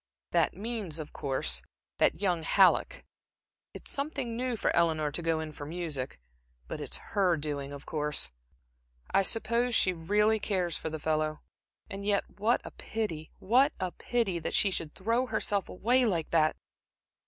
"That means, of course, that young Halleck. It's something new for Eleanor to go in for music. But it's her doing, of course. I suppose she really cares for the fellow. And yet what a pity what a pity that she should throw herself away like that!"